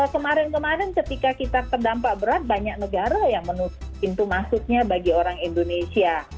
kemarin kemarin ketika kita terdampak berat banyak negara yang menutup pintu masuknya bagi orang indonesia